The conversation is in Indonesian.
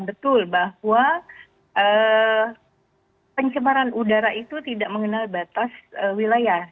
betul bahwa pencemaran udara itu tidak mengenal batas wilayah